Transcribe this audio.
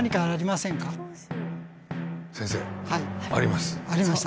先生あります。